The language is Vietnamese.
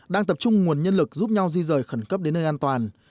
đang tập trung nguồn nhân lực giúp nhau di rời khẩn cấp đến nơi an toàn